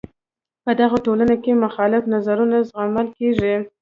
په دغو ټولنو کې مخالف نظرونه زغمل کیږي.